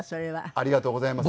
ありがとうございます。